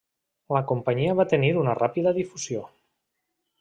La companyia va tenir una ràpida difusió.